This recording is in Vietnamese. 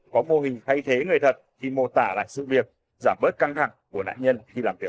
có mô hình thay thế người thật khi mô tả lại sự việc giảm bớt căng thẳng của nạn nhân khi làm việc